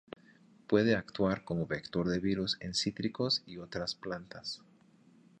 Puede actuar como vector de virus en cítricos y otras plantas.